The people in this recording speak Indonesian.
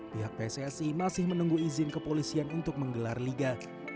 pihak pssi masih menunggu izin kepolisian untuk menggelar liga